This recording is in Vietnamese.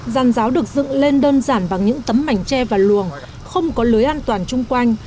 giàn giáo được dựng lên đơn giản bằng những tấm mảnh tre và luồng không có lưới an toàn chung quanh